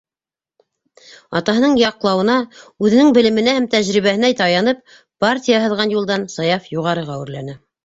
Атаһының яҡлауына, үҙенең белеменә һәм тәжрибәһенә таянып, «партия һыҙған юлдан» Саяф юғарыға үрләне.